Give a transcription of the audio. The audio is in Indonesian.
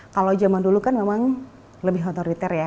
kalau zaman dulu kan memang lebih otoriter ya